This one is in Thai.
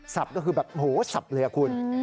ก็คือแบบโหสับเลยคุณ